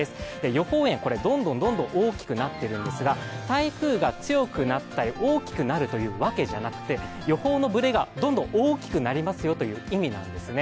予報円、どんどん大きくなっているんですが台風が強くなったり大きくなったりするわけじゃなくて予報のブレがどんどん大きくなるという意味なんですね。